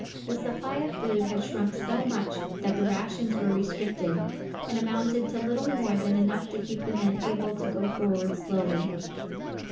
The supply of food had shrunk so much, that the rations were restricted, and amounted to little more than enough to keep the men able to go forward slowly.